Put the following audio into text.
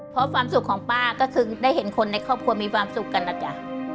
เพราะความสุขของป้าก็คือได้เห็นคนในครอบครัวมีความสุขกันนะจ๊ะ